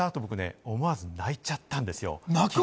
終わった！と思わず泣いちゃったんですよ。